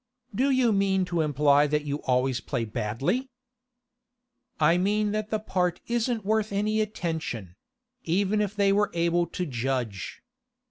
Do you mean to imply that you always play badly?' 'I mean that the part isn't worth any attention—even if they were able to judge.